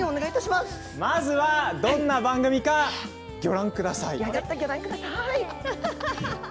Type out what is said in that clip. まずはどんな番組かギョ覧ください。